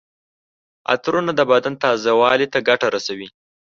عطرونه د بدن تازه والي ته ګټه رسوي.